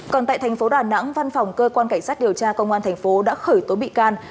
còn tại thành phố đà nẵng văn phòng cơ quan cảnh sát điều tra công an thành phố đã khởi tố bị can